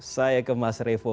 saya ke mas revo